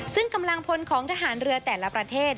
ซึ่งกำลังพลของทหารเรือแต่ละประเทศ